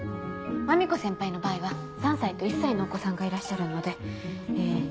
マミコ先輩の場合は３歳と１歳のお子さんがいらっしゃるのでえ